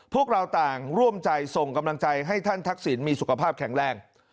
พวกเราต่างร่วมใจส่งกำลังใจให้ท่านทักษิณมีสุขภาพแข็งแรง